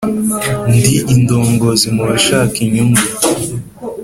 ndi indongozi mu bashaka inyungu,